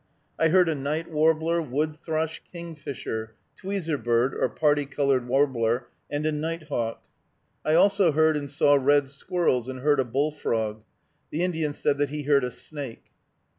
I heard a night warbler, wood thrush, kingfisher, tweezer bird or parti colored warbler, and a nighthawk. I also heard and saw red squirrels, and heard a bullfrog. The Indian said that he heard a snake.